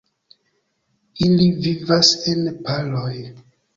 Ili vivas en paroj.